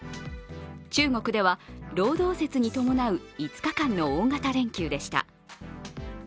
中国では労働節に伴う５日間の大型連休でした。